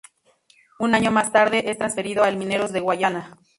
Un año más tarde es trasferido al Mineros de Guayana.